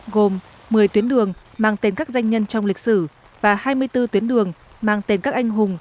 gồm một mươi tuyến đường mang tên các danh nhân trong lịch sử và hai mươi bốn tuyến đường mang tên các anh hùng